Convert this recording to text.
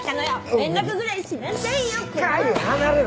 連絡ぐらいしなさいよこの！